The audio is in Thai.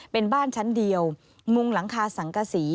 เป็นบ้านชั้นเดียวมุงหลังคาสังกษี